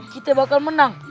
kita bakal menang